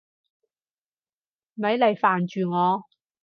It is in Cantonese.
咪嚟煩住我！